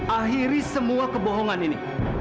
akhiri semua kebohongan ini